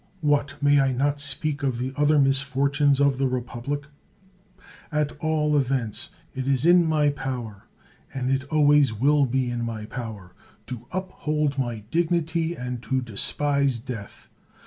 What! may I not speak of the other misfortunes of the republic T At all events it is in my power, and it always will be in my power, to uphold my own dignity and to despise death.